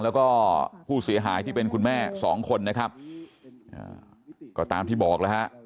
แล้วก็ผู้เสียหายที่เป็นคุณแม่สองคนนะครับก็ตามที่บอกแล้วฮะ